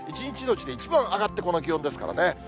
１日のうちで一番上がってこの気温ですからね。